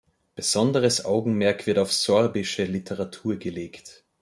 Besonderes Augenmerk wird auf sorbische Literatur gelegt.